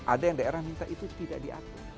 ada yang daerah minta itu tidak diatur